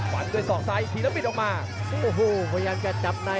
วันด้วยศอกซ้ายทีแล้วปิดออกมา